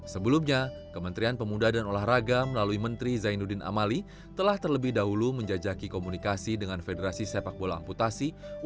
sebelumnya kementerian pemuda dan olahraga melalui menteri zainuddin amali telah terlebih dahulu menjajaki komunikasi dengan federasi sepak bola amputasi